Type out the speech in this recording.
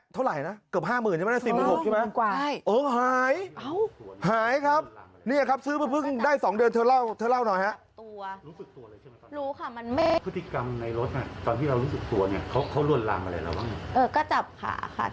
เท่าไหร่นะเกือบ๕หมื่นใช่ไหมนะ๑๐หมื่น๖ใช่ไหม